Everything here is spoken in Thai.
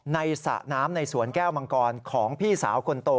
สระน้ำในสวนแก้วมังกรของพี่สาวคนโต